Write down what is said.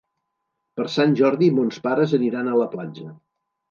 Per Sant Jordi mons pares aniran a la platja.